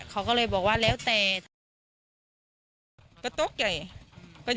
เขาก็เลยบอกว่าแล้วแต่